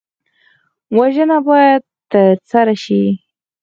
وژنه باید نه ترسره شي